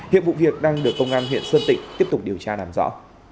hiện vụ việc đang được công an huyện sơn tịnh tiếp tục điều tra làm rõ